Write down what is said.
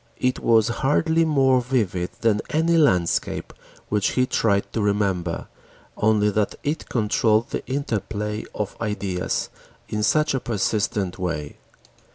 It was hardly more vivid than any landscape which he tried to remember, only that it controlled the interplay of ideas in such a persistent way.